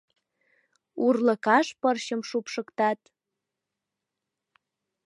Урлыкаш пырчым шупшыктат